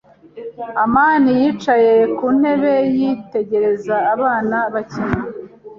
amani yicaye ku ntebe, yitegereza abana bakina.